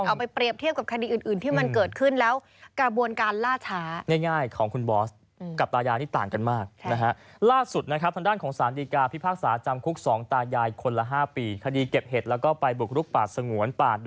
เอาไปเปรียบเทียบกับคดีอื่นที่มันเกิดขึ้นแล้ว